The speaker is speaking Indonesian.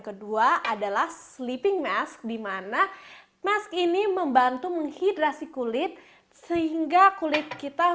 kedua adalah sleeping mask dimana mask ini membantu menghidrasi kulit sehingga kulit kita